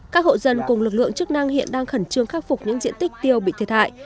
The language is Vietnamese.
các hộ dân cùng lực lượng chức năng hiện đang khẩn trương khắc phục những diện tích tiêu bị thiệt hại